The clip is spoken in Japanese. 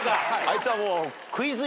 あいつはもう。